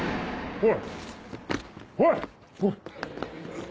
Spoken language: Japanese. おい！